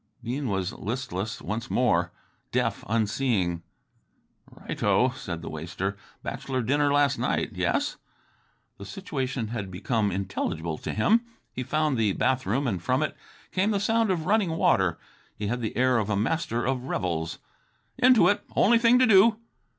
Bean was listless once more, deaf, unseeing. "Righto," said the waster. "Bachelor dinner last night ... yes?" The situation had become intelligible to him. He found the bathroom, and from it came the sound of running water. He had the air of a Master of Revels. "Into it only thing to do!"